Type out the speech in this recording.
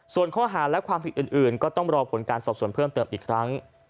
ส่วนข้อหาและความผิดอื่นก็ต้องรอผลการสอบส่วนเพิ่มเติมอีกครั้ง